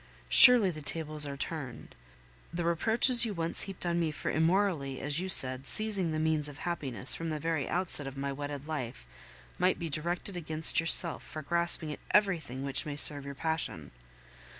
Surely the tables are turned. The reproaches you once heaped on me for immorally, as you said, seizing the means of happiness from the very outset of my wedded life, might be directed against yourself for grasping at everything which may serve your passion.